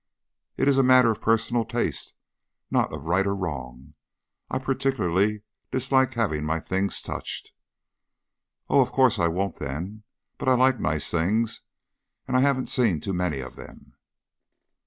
"It is a matter of personal taste, not of right or wrong. I particularly dislike having my things touched." "Oh, of course I won't, then; but I like nice things, and I haven't seen too many of them."